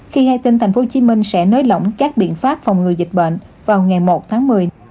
khi ngay tin thành phố hồ chí minh sẽ nới lỏng các biện pháp phòng ngừa dịch bệnh vào ngày một tháng một mươi